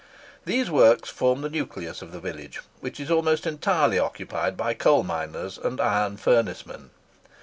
These works form the nucleus of the village, which is almost entirely occupied by coal miners and iron furnacemen.